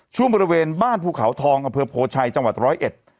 ช่วงบริเวณบ้านภูเขาทองอำเภอโพชัยจังหวัดร้อยเอ็ด